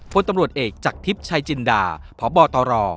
พลตำรวจเอกจากทิพย์ชายจินดาพบตร